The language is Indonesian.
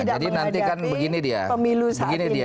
jadi nanti kan begini dia